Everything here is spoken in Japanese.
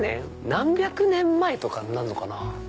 何百年前とかになるのかな。